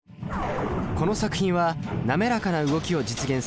この作品は滑らかな動きを実現する